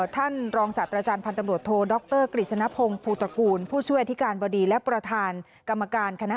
ท่านรองศัตริย์อาจารย์พันธบทดรกริจนพงศ์ผู้ตระกูลผู้ช่วยอธิการบดีและประธานกรรมการคณะอาชญาวิทยา